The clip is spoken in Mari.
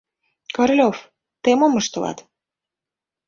Королёв, тый мом ыштылат?